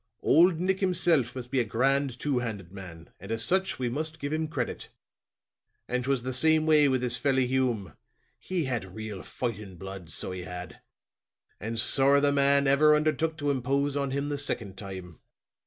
Old Nick himself must be a grand, two handed man, and as such we must give him credit. And 'twas the same way with this felly Hume. He had real fighting blood, so he had; and sorra the man ever undertook to impose on him the second time."